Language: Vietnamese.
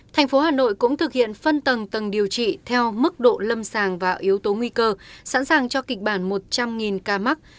thành phố hà nội cũng thực hiện phân tầng tầng điều trị theo mức độ lâm sàng và yếu tố nguy cơ sẵn sàng cho kịch bản một trăm linh ca mắc